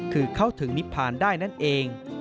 คือเข้าถึงนิพพานได้นั่นเอง